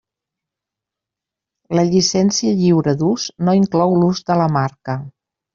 La llicència lliure d'ús no inclou l'ús de la marca.